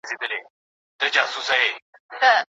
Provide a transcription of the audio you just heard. ځکه پښتو انلاین سرچینې کمې لري.